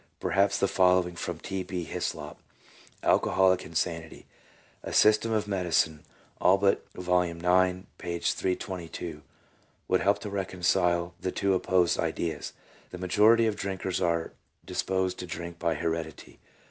Perhaps the following from T. B. Hyslop, "Alcoholic Insanity," A System of Medicine, Allbutt, vol. ix. p. 322, would help to reconcile the two opposed ideas: — "The majority of drinkers are disposed to drink by heredity.